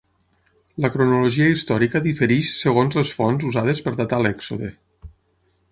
La cronologia històrica difereix segons les fonts usades per datar l'èxode.